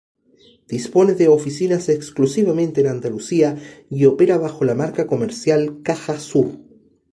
Dispone de oficinas exclusivamente en Andalucía y opera bajo la marca comercial CajaSur.